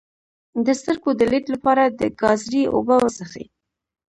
د سترګو د لید لپاره د ګازرې اوبه وڅښئ